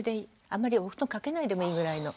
あんまりお布団掛けないでもいいぐらいの。